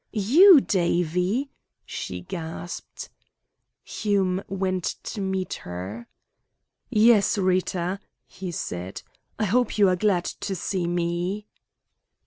"You, Davie!" she gasped. Hume went to meet her. "Yes, Rita," he said. "I hope you are glad to see me."